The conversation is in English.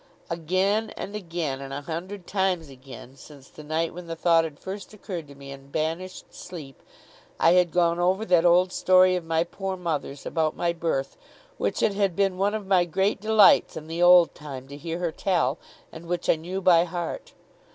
Again, and again, and a hundred times again, since the night when the thought had first occurred to me and banished sleep, I had gone over that old story of my poor mother's about my birth, which it had been one of my great delights in the old time to hear her tell, and which I knew by heart.